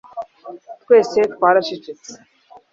twese twaracecetse